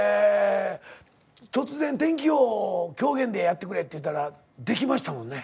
突然天気予報を狂言でやってくれって言ったらできましたもんね。